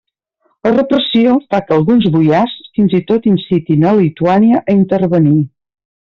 La repressió fa que alguns boiars fins i tot incitin a Lituània a intervenir.